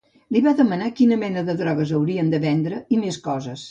Li va demanar quina mena de droga haurien de vendre, i més coses.